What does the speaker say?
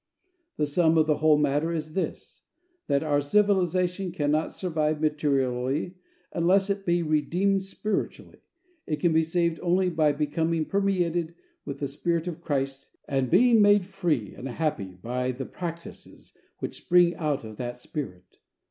The sum of the whole matter is this, that our civilization cannot survive materially unless it be redeemed spiritually. It can be saved only by becoming permeated with the spirit of Christ and being made free and happy by the practices which spring out of that spirit.